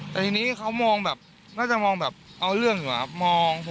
แต่ทีนี้เขามองแบบน่าจะมองแบบเอาเรื่องอยู่อะครับ